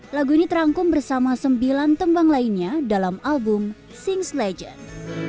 lagu ini terangkum bersama sembilan tembang lainnya dalam album sings legend